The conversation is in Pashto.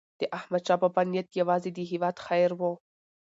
داحمدشاه بابا نیت یوازې د هیواد خیر و.